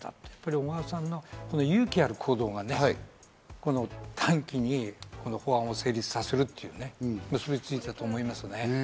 小川さんの勇気ある行動がね、この短期に法案を成立させるということに繋がったと思いますね。